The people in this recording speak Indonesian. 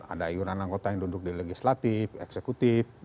ada iuran anggota yang duduk di legislatif eksekutif